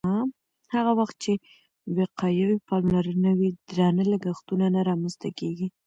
هغه وخت چې وقایوي پاملرنه وي، درانه لګښتونه نه رامنځته کېږي.